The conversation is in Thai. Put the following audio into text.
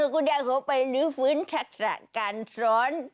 คุณยายเอาไปรีบฟื้นศักดิ์สรรค์การสน